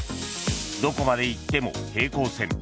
どこまで行っても平行線。